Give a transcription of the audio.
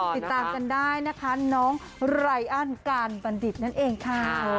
ติดตามกันได้นะคะน้องไรอันการบัณฑิตนั่นเองค่ะ